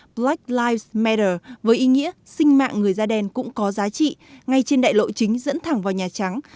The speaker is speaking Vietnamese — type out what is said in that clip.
black lier với ý nghĩa sinh mạng người da đen cũng có giá trị ngay trên đại lộ chính dẫn thẳng vào nhà trắng